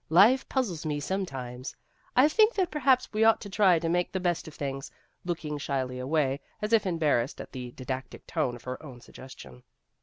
Life puz zles me sometimes. I think that perhaps we ought to try to make the best of things," looking shyly away as if embarrassed at the didactic tone of her own suggestion.